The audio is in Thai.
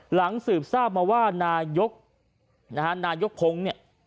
หลังสืบทราบมาว่านายกนายกพงศ์เนี่ย